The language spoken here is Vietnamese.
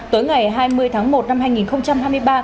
tối ngày hai mươi tháng một năm hai nghìn hai mươi ba